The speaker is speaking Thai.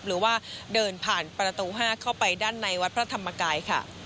หรือว่าเดินผ่านประตู๕เข้าไปด้านในวัดพระธรรมกายค่ะ